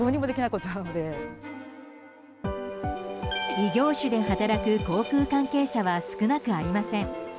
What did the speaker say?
異業種で働く航空関係者は少なくありません。